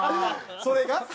それが？